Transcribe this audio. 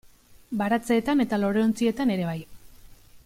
Baratzeetan eta loreontzietan ere bai.